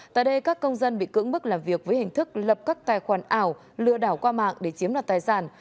tại đây các công dân bị cưỡng bức làm việc với hình thức lập các tài khoản ảo lựa đảo qua mạng để chiếm đoạt tài sản